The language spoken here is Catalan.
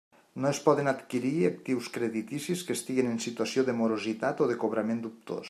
No es poden adquirir actius crediticis que estiguin en situació de morositat o de cobrament dubtós.